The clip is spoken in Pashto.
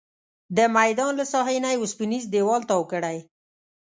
د میدان له ساحې نه یې اوسپنیز دیوال تاو کړی.